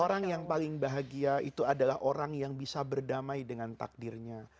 orang yang paling bahagia itu adalah orang yang bisa berdamai dengan takdirnya